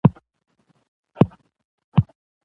په پښتو کې مېړه ته خاوند او څښتن وايي.